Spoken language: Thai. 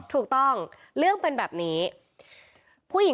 ถูกต้องเรื่องเป็นแบบนี้